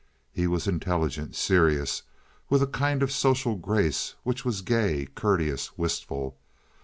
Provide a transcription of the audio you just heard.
He was intelligent, serious, with a kind of social grace which was gay, courteous, wistful.